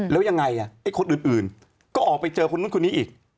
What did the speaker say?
แล้วยังไงไอ้คนอื่นก็ออกไปเจอคนนู้นคนนี้อีก